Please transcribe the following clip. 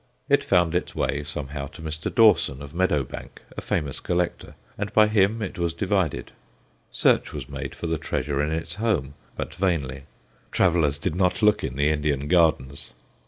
It found its way, somehow, to Mr. Dawson, of Meadowbank, a famous collector, and by him it was divided. Search was made for the treasure in its home, but vainly; travellers did not look in the Indian gardens.